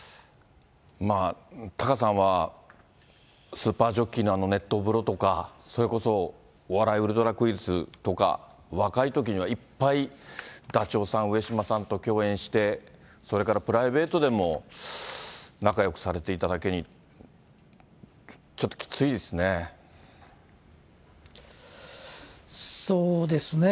タカさんは、スーパージョッキーのあの熱湯風呂とか、それこそお笑いウルトラクイズとか、若いときにはいっぱいダチョウさん、上島さんと共演して、それからプライベートでも仲よくされていただけに、ちょっときついですね。